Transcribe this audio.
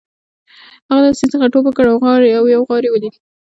هغه له سیند څخه ټوپ کړ او یو غار یې ولید